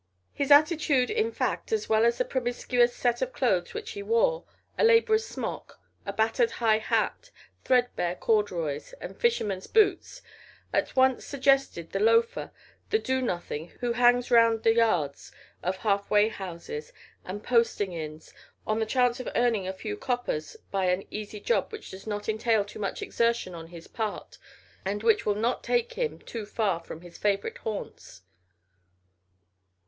His attitude, in fact, as well as the promiscuous set of clothes which he wore a labourer's smock, a battered high hat, threadbare corduroys and fisherman's boots at once suggested the loafer, the do nothing who hangs round the yards of half way houses and posting inns on the chance of earning a few coppers by an easy job which does not entail too much exertion on his part and which will not take him too far from his favourite haunts.